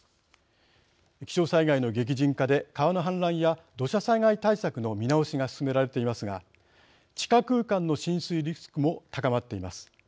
気象災害の激甚化で川の氾濫や土砂災害対策の見直しが進められていますが地下空間の浸水リスクも高まっています。